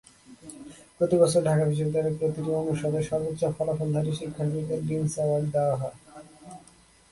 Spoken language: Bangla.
প্রতিবছর ঢাকা বিশ্ববিদ্যালয়ে প্রতিটি অনুষদে সর্বোচ্চ ফলাফলধারী শিক্ষার্থীদের ডিনস অ্যাওয়ার্ড দেওয়া হয়।